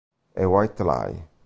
A White Lie